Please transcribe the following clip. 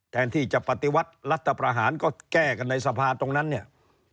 แทนที่จะปฏิวัติรัฐประหารก็แก้กันในสภาตรงนั้นเนี่ย